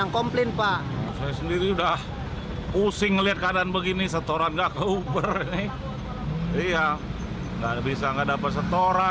tidak bisa tidak dapat setoran kita